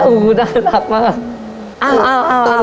โอ้โหน่ารักมาก